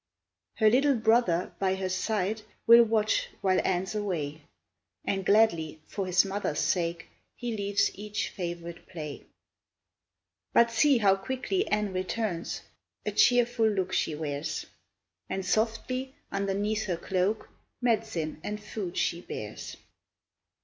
Her little brother by her side Will watch whilst Anne's away, And gladly, for his mother's sake, He leaves each favourite play. But see how quickly Anne returns, A cheerful look she wears, And softly, underneath her cloak, Med'cine and food she bears.